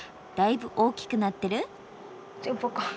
だいぶ大きくなってる？